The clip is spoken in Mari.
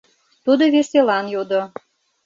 — тудо веселан йодо.